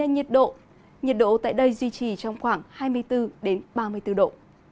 nhiệt độ tại đây duy trì trong khoảng hai mươi bốn ba mươi bốn độ